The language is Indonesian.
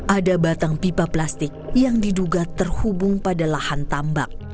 ada batang pipa plastik yang diduga terhubung pada lahan tambak